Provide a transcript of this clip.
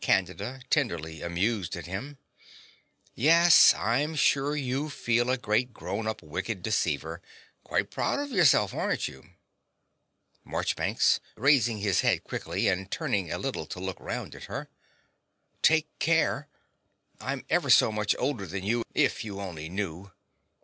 CANDIDA (tenderly amused at him). Yes: I'm sure you feel a great grown up wicked deceiver quite proud of yourself, aren't you? MARCHBANKS (raising his head quickly and turning a little to look round at her). Take care. I'm ever so much older than you, if you only knew.